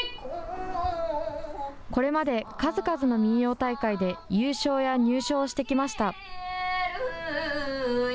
これまで数々の民謡大会で優勝や入賞をしてきました。